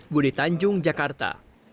budi tanjung jakarta